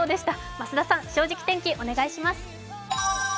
増田さん、「正直天気」、お願いします。